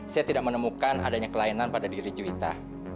saya tidak menemukan adanya kelainan pada diri juita